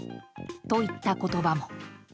といった言葉も。